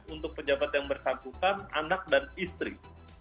untuk pejabat yang bersangkutan anak dan istri